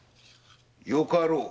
よかろう。